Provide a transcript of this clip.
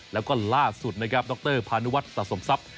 แล้วก็ล่าสุดนะครับดรพานุวัฒนสะสมทรัพย์